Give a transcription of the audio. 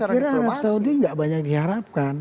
saya kira arab saudi nggak banyak diharapkan